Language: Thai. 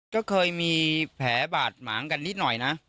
ก็เคยมีแผลบาดหมางกันนิดหน่อยนะ